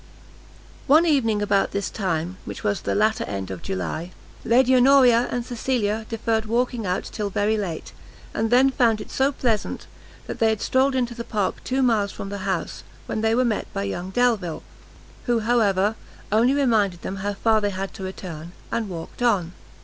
One evening about this time, which was the latter end of July, Lady Honoria and Cecilia deferred walking out till very late, and then found it so pleasant, that they had strolled into the Park two miles from the house, when they were met by young Delvile; who, however, only reminded them how far they had to return, and walked on.